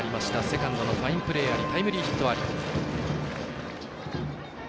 セカンドのファインプレーありタイムリーヒットあり。